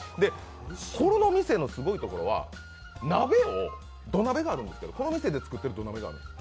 この店のすごいところは、鍋、土鍋があるんですけど、この店で作っている土鍋があるんです。